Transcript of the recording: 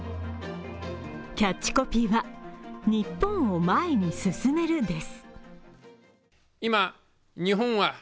キャッチコピーは「日本を前に進める」です。